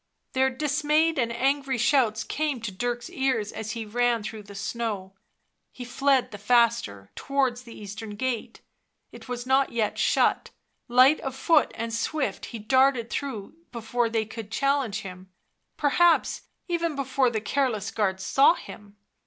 Their dis mayed and angry shouts came to Dirk's ears as he ran through the snow ; he fled the faster, towards the eastern gate. It was not yet shut ; light of foot and swift he darted through before they could challenge him, perhaps even before the careless guards saw r him.